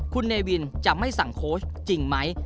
คุณเนวินจะไม่สั่งโค้ชจริงไหม